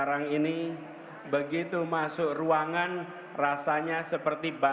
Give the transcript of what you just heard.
yang dari jawa barat